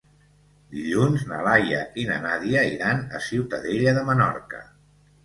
Dilluns na Laia i na Nàdia iran a Ciutadella de Menorca.